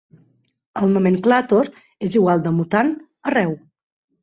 El nomenclàtor és igual de mutant arreu.